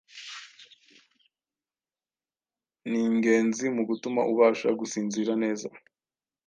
ningenzi mu gutuma ubasha gusinzira neza.